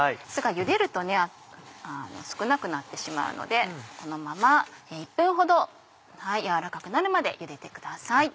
ゆでると少なくなってしまうのでこのまま１分ほど軟らかくなるまでゆでてください。